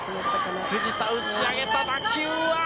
藤田、打ち上げた打球は？